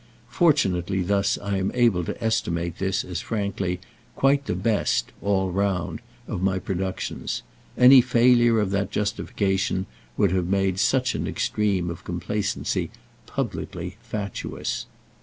Fortunately thus I am able to estimate this as, frankly, quite the best, "all round," of all my productions; any failure of that justification would have made such an extreme of complacency publicly fatuous.